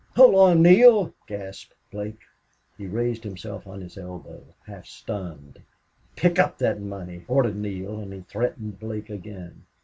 "Hold on Neale!" gasped Blake. He raised himself on his elbow, half stunned. "Pick up that money," ordered Neale, and he threatened Blake again.